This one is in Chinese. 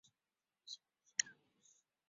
还剩下十分钟